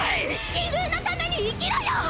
自分のために生きろよ！！